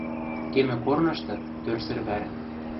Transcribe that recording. Кемӹ корнышты — тӧрсӹр вӓр.